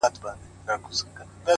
يه پر ما گرانه ته مي مه هېروه ـ